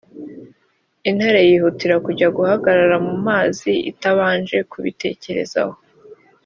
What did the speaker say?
intare yihutira kujya guhagarara mu mazi itabanje kubitekerezaho.